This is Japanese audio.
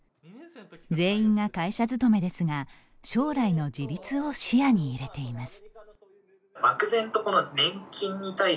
全員が会社勤めですが将来の自立を視野に入れています。